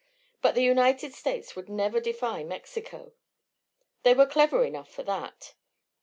But the United States would never defy Mexico. They were clever enough for that.